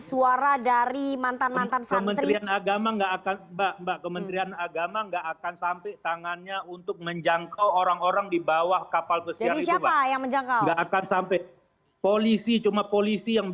suara dari mantan mantan santri agama enggak akan mbak mbak kementerian agama enggak akan